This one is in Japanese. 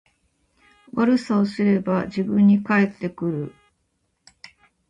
悪さをすれば自分に返ってくる